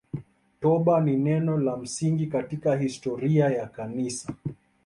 Toba ni neno la msingi katika historia ya Kanisa.